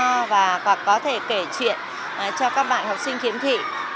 hoặc có thể kể chuyện cho các bạn học sinh kiếm thị